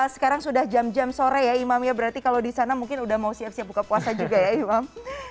sekarang sudah jam jam sore ya imam ya berarti kalau di sana mungkin sudah mau siap siap buka puasa juga ya imam